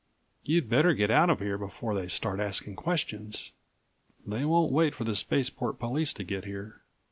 You'd better get out of here before they start asking questions. They won't wait for the Spaceport Police to get here.